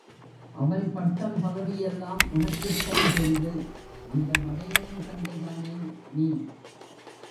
அவன் பட்டம், பதவி எல்லாம் உனக்குத்தான் பெரிது......... அந்த மடை யனின் தங்கைதானே நீ.